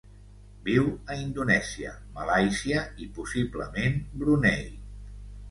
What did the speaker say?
Viu a Indonèsia, Malàisia i possiblement Brunei.